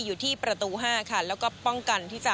อยู่ที่ประตู๕ค่ะแล้วก็ป้องกันที่จะ